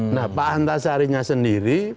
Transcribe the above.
nah pak antasarinya sendiri